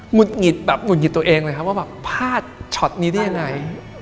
หมุนหงิดตัวเองเลยครับว่าพลาดช็อตนี้ได้ยังไง